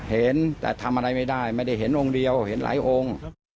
เห็นแต่ทำอะไรไม่ได้ไม่ได้เห็นองค์เดียวเห็นหลายองค์